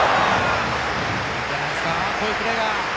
いいんじゃないですかこういうプレーが。